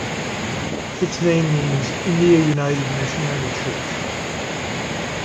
Its name means "India United Missionary Church".